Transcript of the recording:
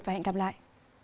và hẹn gặp lại